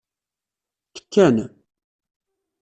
Tekkan.